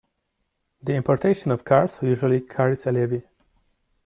The importation of cars usually carries a levy.